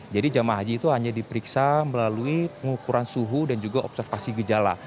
jadi jemaah haji itu hanya diperiksa melalui pengukuran suhu dan juga observasi gejala